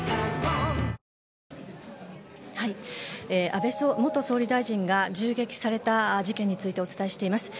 安倍元総理大臣が銃撃された事件についてお伝えしています。